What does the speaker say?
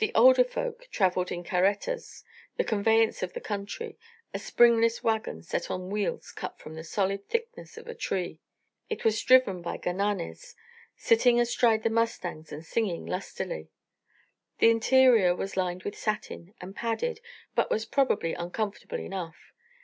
The older folk travelled in carretas, the conveyance of the country, a springless wagon set on wheels cut from the solid thickness of the tree. It was driven by gananes, sitting astride the mustangs and singing lustily. The interior was lined with satin and padded, but was probably uncomfortable enough.